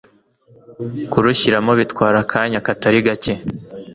kurushyiramo bitwara akanya katari gake